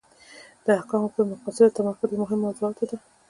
د احکامو پر مقاصدو تمرکز له مهمو موضوعاتو ده.